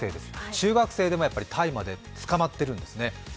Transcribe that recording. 中学生でも大麻で捕まってるんですね。